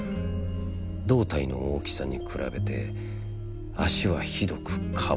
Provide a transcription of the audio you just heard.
胴体の大きさに比べて、足はひどくか細かった。